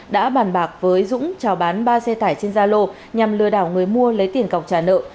đã bàn bạc với dũng trào bán ba xe tải trên gia lô nhằm lừa đảo người mua lấy tiền cọc trả nợ